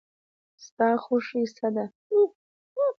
ستا خوښی څه ده؟